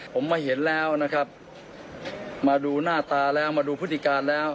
ผมมาเห็นแล้วนะครับมาดูหน้าตาแล้วมาดูพฤติการแล้ว